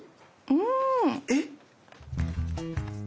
うん！えっ？